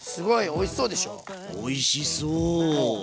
おいしそう。